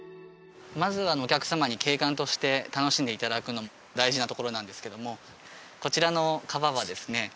まずお客様に景観として楽しんでいただくのも大事なところなんですけどもこちらの川はですね